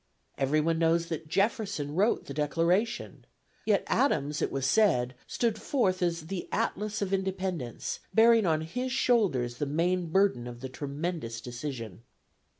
Everyone knows that Jefferson wrote the Declaration; yet Adams, it was said, stood forth as "the Atlas of Independence," bearing on his shoulders the main burden of the tremendous decision.